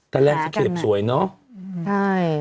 ตอนแรกจะเข็บสวยเนาะ